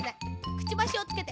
くちばしをつけて。